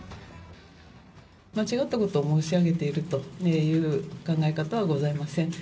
間違ったことを申し上げているという考え方はございません。